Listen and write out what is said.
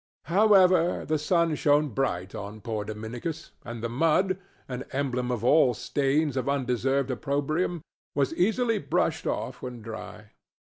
However, the sun shone bright on poor Dominicus, and the mud—an emblem of all stains of undeserved opprobrium—was easily brushed off when dry.